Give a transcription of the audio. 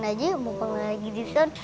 kita cobain aja mumpung lagi di son